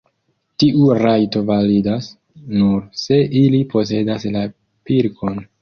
Tiu rajto validas, nur se ili posedas la pilkon.